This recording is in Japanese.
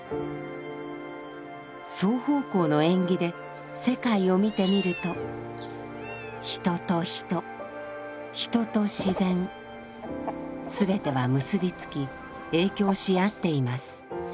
「双方向の縁起」で世界を見てみると人と人人と自然すべては結び付き影響し合っています。